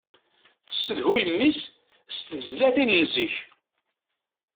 Tessedhuy mmi-s s tezlatin n zik.